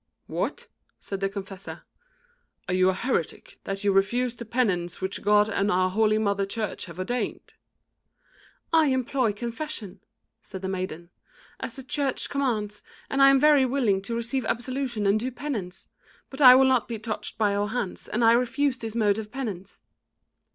"What?" said the confessor. "Are you a heretic, that you refuse the penances which God and our holy mother Church have ordained?" "I employ confession," said the maiden, "as the Church commands, and I am very willing to receive absolution and do penance. But I will not be touched by your hands, and I refuse this mode of penance."